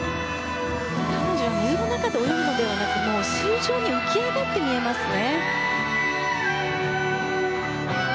彼女は水の中で泳ぐのではなくもう水上に浮き上がって見えますね。